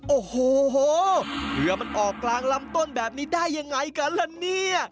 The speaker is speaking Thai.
โอ้โหเรือมันออกกลางลำต้นแบบนี้ได้ยังไงกันละเนี่ย